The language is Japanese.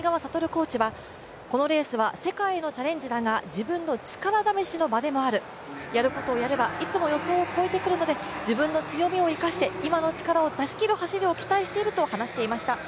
コーチはこのレースは世界へのチャレンジだが、自分の力試しの場でもあるやることをやればいつも予想を超えてくるので自分の強みを生かして今の力を出し切る走りを期待していると話していました。